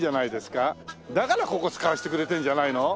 だからここ使わせてくれてるんじゃないの？